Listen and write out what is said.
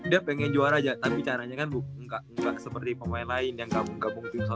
dia pengen juara aja tapi caranya kan nggak seperti pemain lain yang gabung gabung